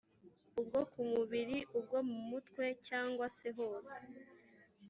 ubwo ku mubiri ubwo mu mutwe cyangwa se hose